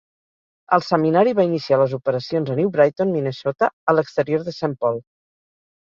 El seminari va iniciar les operacions a New Brighton, Minnesota, a l'exterior de Saint Paul.